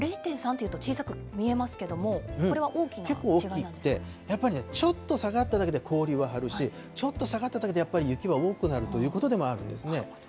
０．３っていうと小さく見えますけれども、これは大きな違い結構大きくて、やっぱりね、ちょっと下がっただけで氷は張るし、ちょっと下がっただけでやっぱり雪は多くなるということでもあるんですね。